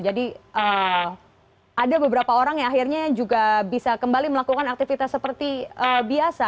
jadi ada beberapa orang yang akhirnya juga bisa kembali melakukan aktivitas seperti biasa